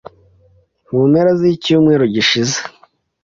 mu mpera z’icyumweru gishize,